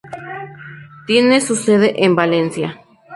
Tiene su sede en Valencia.